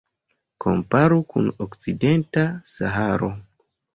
Komparu kun Okcidenta Saharo.